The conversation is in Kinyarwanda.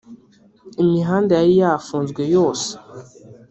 imihanda yari yafunzwe yose